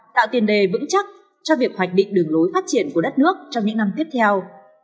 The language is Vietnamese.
tạo tiền đề vững chắc cho việc hoạch định đường lối phát triển của đất nước trong những năm tiếp theo